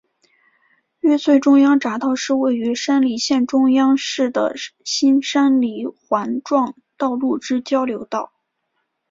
玉穗中央匝道是位于山梨县中央市的新山梨环状道路之交流道。